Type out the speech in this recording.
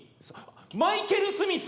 マイケル・スミス！